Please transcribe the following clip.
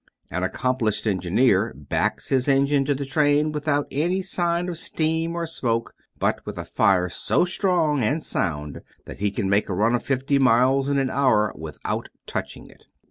An accomplished engineer backs his engine to the train without any sign of steam or smoke, but with a fire so strong and sound that he can make a run of fifty miles in an hour without touching it.